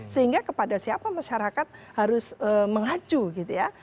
sehingga kepada siapa masyarakat harus mengacu gitu ya